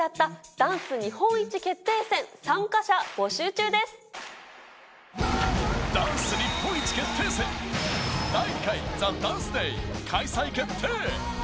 ダンス日本一決定戦第２回『ＴＨＥＤＡＮＣＥＤＡＹ』開催決定！